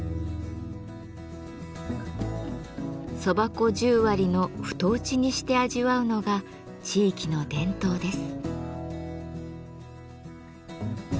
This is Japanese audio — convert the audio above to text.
蕎麦粉十割の太打ちにして味わうのが地域の伝統です。